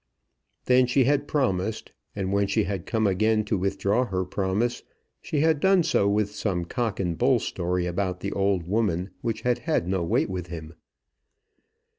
Then she had promised; and when she had come again to withdraw her promise, she had done so with some cock and bull story about the old woman, which had had no weight with him.